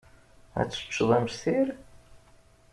Ad teččed amestir?